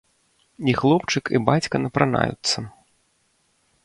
І хлопчык і бацька напранаюцца.